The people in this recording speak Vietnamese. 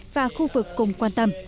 và khu vực cùng quan tâm